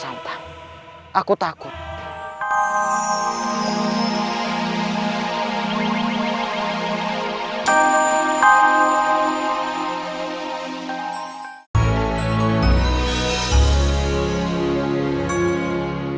saya menghasilkan khusus hidupmu